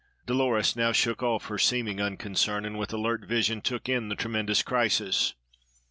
Dolores now shook off her seeming unconcern, and with alert vision took in the tremendous crisis.